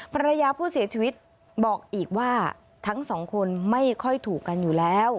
ภรรยาผู้เสียชีวิตบอกอีกว่าทั้งสองคนไม่ค่อยถูกกันอยู่แล้ว